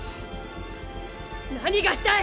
何がしたい？